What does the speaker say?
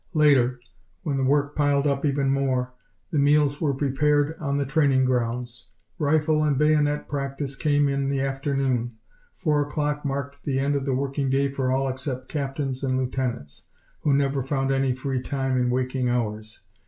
Later, when the work piled up even more, the meals were prepared on the training grounds. Rifle and bayonet practice came in the afternoon. Four o'clock marked the end of the working day for all except captains and lieutenants, who never found any free time in waking hours.